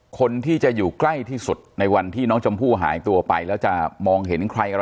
คนที่จะอยู่ใกล้ที่สุดในวันที่น้องชมพู่หายตัวไป